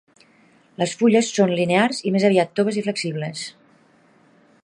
Les fulles són linears i més aviat toves i flexibles.